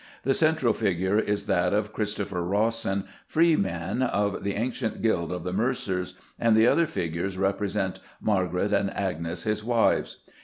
The central figure is that of Christopher Rawson, "freeman of the ancient Guild of the Mercers," and the other figures represent "Margaret and Agnes his wyves."